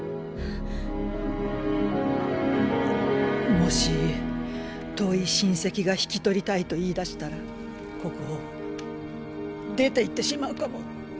もし遠い親戚が引き取りたいと言いだしたらここを出ていってしまうかも。